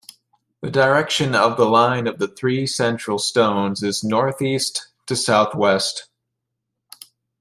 The direction of the line of the three central stones is northeast to southwest.